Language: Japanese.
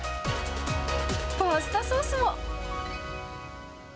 パスタソースも。